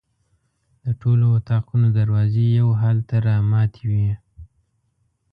د ټولو اطاقونو دروازې یو حال ته رامتې وې.